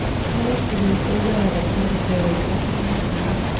Carlton was aware that he had a very quick temper.